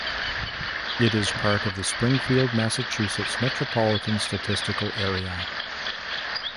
It is part of the Springfield, Massachusetts Metropolitan Statistical Area.